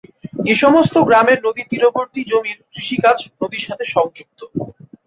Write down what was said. এই সমস্ত গ্রামের নদীর তীরবর্তী জমির কৃষি কাজ নদীর সঙ্গে যুক্ত।